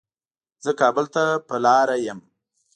زه کابل ته په لاره يم